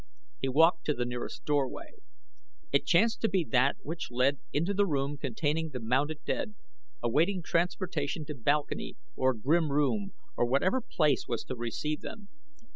He walked to the nearest doorway. It chanced to be that which led into the room containing the mounted dead, awaiting transportation to balcony or grim room or whatever place was to receive them.